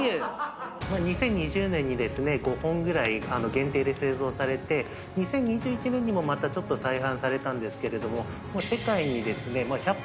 ２０２０年にですね５本ぐらい限定で製造されて２０２１年にもまたちょっと再販されたんですけれども。